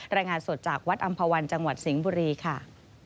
รายงานสดจากวัดอำภาวันจังหวัดสิงห์บุรีค่ะ